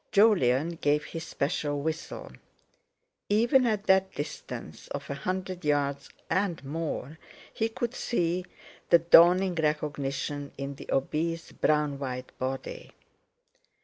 Jolyon gave his special whistle. Even at that distance of a hundred yards and more he could see the dawning recognition in the obese brown white body.